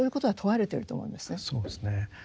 そうですね。